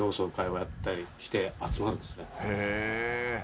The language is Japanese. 「へえ」